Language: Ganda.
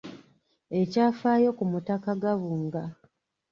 Ekyafaayo ku mutaka Gabunga.